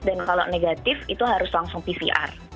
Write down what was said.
dan kalau negatif itu harus langsung pcr